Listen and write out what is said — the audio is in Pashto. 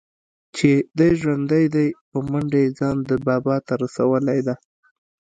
چې دى ژوندى دى په منډه يې ځان ده بابا ته رسولى و.